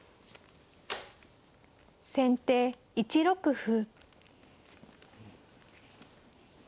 先手１六歩。